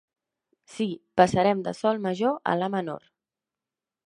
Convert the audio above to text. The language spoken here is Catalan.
Sí, passarem de Sol major a La menor!